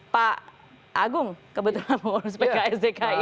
pak agung kebetulan pengurus pks dki